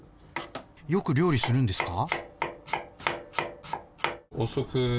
よく料理するんですか？